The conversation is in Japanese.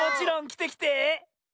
きてきて。